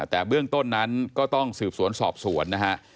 แต่เบื้องต้นนั้นก็ต้องสืบสวนสอบสวนนะฮะ